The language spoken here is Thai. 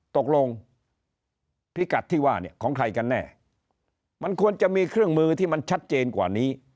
ตกลงพิกัดที่ว่าเนี่ยของใครกันแน่มันควรจะมีเครื่องมือที่มันชัดเจนกว่านี้